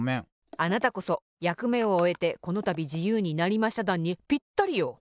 あなたこそ「やくめをおえてこのたびじゆうになりましただん」にぴったりよ。